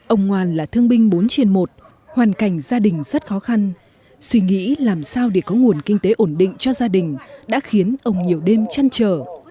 ông ngoan là thương binh bốn trên một hoàn cảnh gia đình rất khó khăn suy nghĩ làm sao để có nguồn kinh tế ổn định cho gia đình đã khiến ông nhiều đêm chăn trở